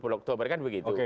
waktu mereka begitu